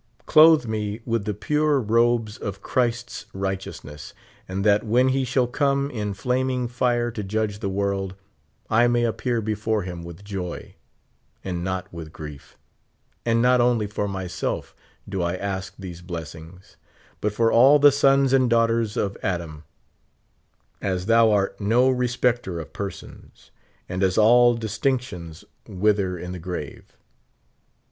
Clothe me with the pure robes of Christ's righte ousness, and that when he shall come in flaming fire to judge the world, I may appear before him with joy, and not with grief; and not only for myself do I ask these blessings, but for all the sons and daughters of Adam, as thou art no respecter of persons, and as all distinc tions wither in the grave.